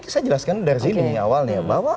saya jelaskan dari sini awalnya